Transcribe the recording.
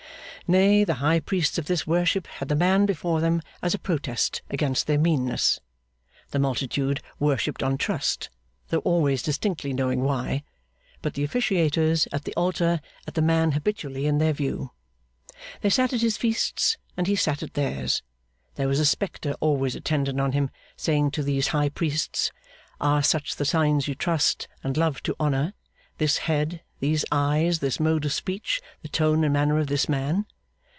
Nay, the high priests of this worship had the man before them as a protest against their meanness. The multitude worshipped on trust though always distinctly knowing why but the officiators at the altar had the man habitually in their view. They sat at his feasts, and he sat at theirs. There was a spectre always attendant on him, saying to these high priests, 'Are such the signs you trust, and love to honour; this head, these eyes, this mode of speech, the tone and manner of this man?